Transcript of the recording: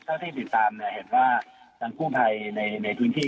เมื่อการติดตามเห็นว่าทางกุภัยในพื้นที่